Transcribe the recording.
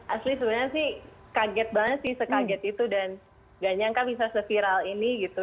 asli sebenarnya sih kaget banget sih sekaget itu dan gak nyangka bisa se viral ini gitu